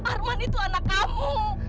arman itu anak kamu